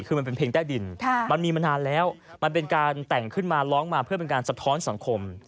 คือมันเป็นเพลงใต้ดินมันมีมานานแล้วมันเป็นการแต่งขึ้นมาร้องมาเพื่อเป็นการสะท้อนสังคม